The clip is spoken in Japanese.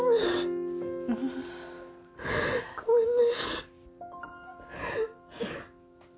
ごめんね。